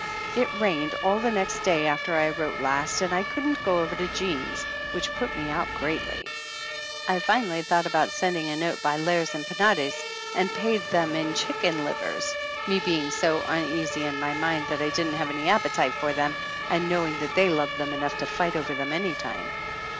It rained all the next day after I wrote last and I couldn't go over to Jean's, which put me out greatly. I finally thought about send ing a note by Lares and Penates and paid them in chicken livers, me being so uneasy in my mind that I didn't have any appetite for them, and knowing that they loved them enough to fight over them any time.